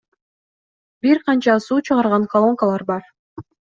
Бир канча суу чыгарган колонкалар бар.